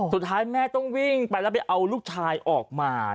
สุดท้ายแม่ต้องวิ่งไปแล้วไปเอาลูกชายออกมา